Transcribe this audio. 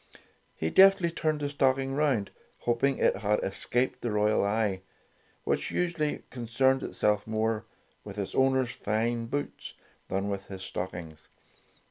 He deftly turned the stocking round, hoping it had escaped the royal eye, which usually concerned itself more with its owner's fine boots than with his stockings.